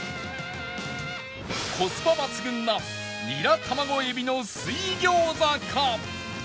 コスパ抜群なニラ卵海老の水餃子か？